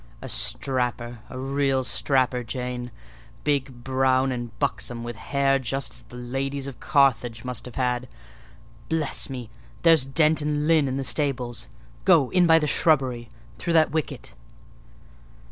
"A strapper—a real strapper, Jane: big, brown, and buxom; with hair just such as the ladies of Carthage must have had. Bless me! there's Dent and Lynn in the stables! Go in by the shrubbery, through that wicket."